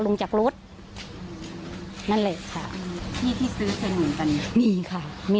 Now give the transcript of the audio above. ลงจากรถนั่นแหละค่ะที่ที่ซื้อขนมกันมีค่ะมี